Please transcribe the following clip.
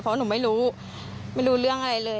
เพราะหนูไม่รู้ไม่รู้เรื่องอะไรเลย